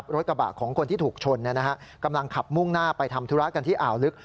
รถกระบะของคนที่ถูกชนกำลังขับมุ่งหน้าไปทำธุระกันที่อ่าวลึก